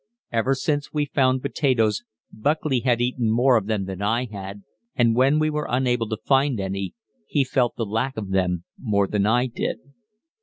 Ever since we found potatoes Buckley had eaten more of them than I had, and when we were unable to find any, he felt the lack of them more than I did.